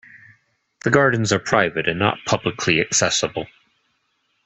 The gardens are private and not publicly accessible.